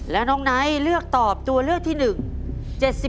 แล้วน้องไนท์เลือกตอบตัวเลือกที่หนึ่ง